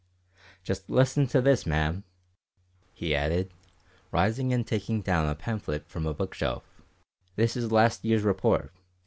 Just listen to this, ma'am," he added, rising and taking down a pamphlet from a bookshelf, "this is last year's Report.